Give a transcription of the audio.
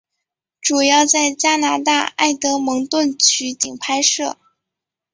主要在加拿大埃德蒙顿取景拍摄。